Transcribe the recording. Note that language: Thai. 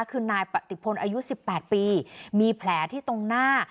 คือนายปฏิพลอายุ๑๘ปีมีแผลที่ตรงหน้า